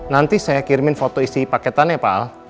nanti saya kirimin foto isi paketannya pak